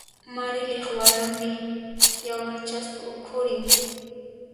Marilyq waranmi yawarchasqa ukhurin.